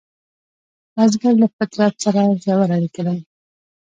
بزګر له فطرت سره ژور اړیکه لري